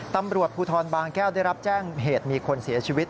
ตำรวจภูทรบางแก้วได้รับแจ้งเหตุมีคนเสียชีวิต